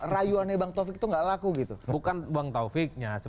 rayuannya bang taufik itu gak laku gitu